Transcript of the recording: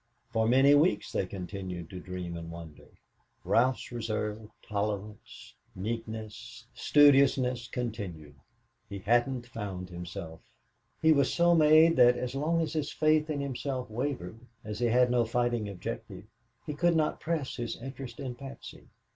For many weeks they continued to dream and wonder. Ralph's reserve, tolerance, meekness, studiousness continued. He hadn't found himself. He was so made that as long as his faith in himself wavered, as he had no fighting objective, he could not press his interest in Patsy.